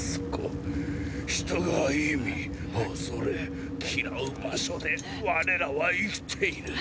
人が忌み恐れ嫌う場所で我らは生きている。